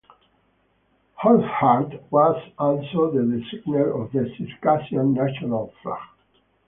Urquhart was also the designer of the Circassian national flag.